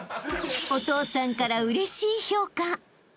［お父さんからうれしい評価］